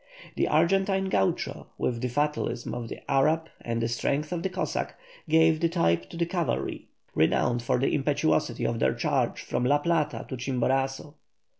The Argentine gaucho, with the fatalism of the Arab and the strength of the Cossack, gave the type to the cavalry, renowned for the impetuosity of their charge from La Plata to Chimborazo.